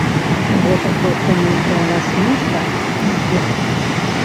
Гэта проста нейкая насмешка і здзек.